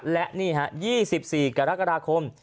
และ๒๔กรกฎาคม